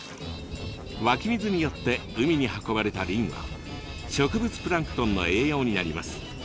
湧き水によって海に運ばれたリンは植物プランクトンの栄養になります。